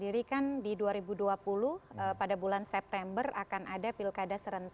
ini udah silahkan